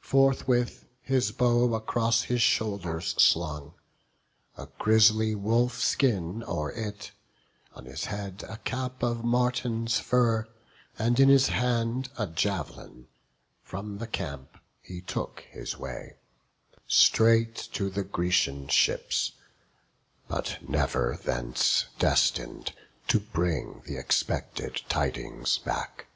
Forthwith, his bow across his shoulders slung, A grisly wolf skin o'er it, on his head A cap of marten's fur, and in his hand A jav'lin, from the camp he took his way, Straight to the Grecian ships; but never thence Destin'd to bring th' expected tidings back.